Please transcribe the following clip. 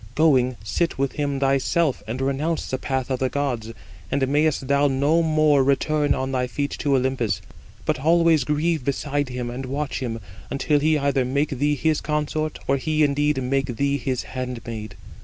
Going, sit with him thyself, and renounce the path of the gods. And mayest thou no more return on thy feet to Olympus: but always grieve beside him, and watch him, until he either make thee his consort, or he indeed [make thee] his handmaid.